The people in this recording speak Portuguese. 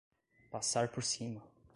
Passar por cima